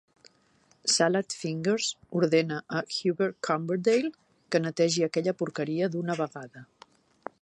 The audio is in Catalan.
Salad Fingers ordena a Hubert Cumberdale que netegi aquella porqueria d'una vegada!